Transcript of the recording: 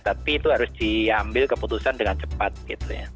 tapi itu harus diambil keputusan dengan cepat gitu ya